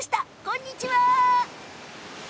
こんにちは。